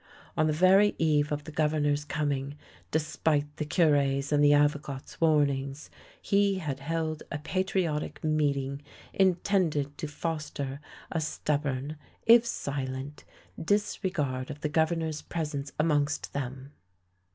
On the very eve of the Governor's coming, despite the Cure's and the Avocat's warnings, he had held a patriotic meeting intended to foster a stubborn, if silent, disre gard of the Governor's presence amongst them.